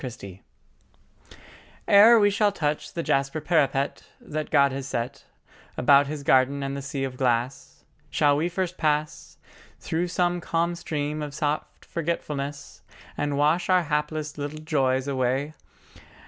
LIV LETHE ERE we shall touch the jasper parapet, That God has set About His garden and the sea of glass, Shall we first pass Through some calm stream of soft forgetfulness And wash our hapless little joys away?